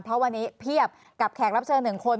เพราะวันนี้เพียบกับแขกรับเชิญ๑คน